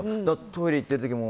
トイレ行ってる時も。